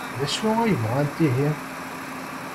D acu ay bɣant ihi?